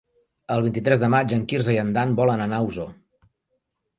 El vint-i-tres de maig en Quirze i en Dan volen anar a Osor.